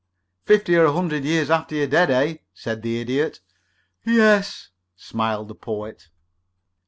"Fifty or a hundred years after you're dead, eh?" said the Idiot. "Yes," smiled the Poet.